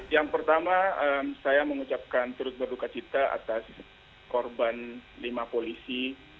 yang pertama saya mengucapkan turut berduka cita atas korban lima polisi